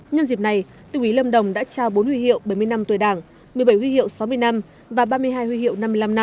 nhân dịp này tỉnh ủy lâm đồng đã trao bốn huy hiệu bảy mươi năm tuổi đảng một mươi bảy huy hiệu sáu mươi năm và ba mươi hai huy hiệu năm mươi năm năm